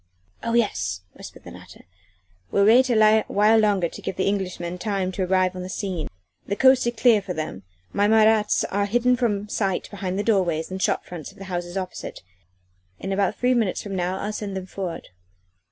"Oh yes!" whispered the latter, "we'll wait awhile longer to give the Englishmen time to arrive on the scene. The coast is clear for them my Marats are hidden from sight behind the doorways and shop fronts of the houses opposite. In about three minutes from now I'll send them forward."